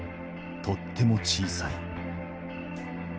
とっても小さい。